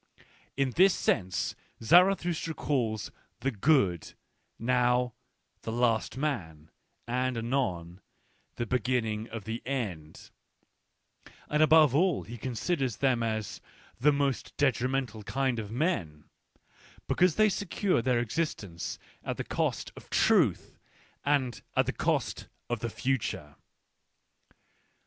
In this sense Zarathustra calls "the good," now "the last men," and anon "the be ginning of the end "; and above all, he considers them as the most detrimental kind of men, because they secure their existence at the cost of Truth and at the cost of the Future.